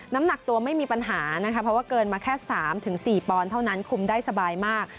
น้ำหนักตัวไม่มีปัญหานะคะเพราะว่าเกินมาแค่๓๔ปอนด์เท่านั้นคุมได้สบายมาก